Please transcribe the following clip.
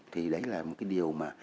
thì đấy là một điều mà